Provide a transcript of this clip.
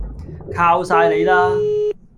靠晒你啦